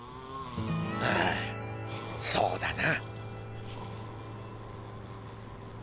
ああそうだな。